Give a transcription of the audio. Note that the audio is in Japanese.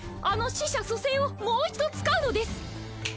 あの死者蘇生をもう一度使うのです。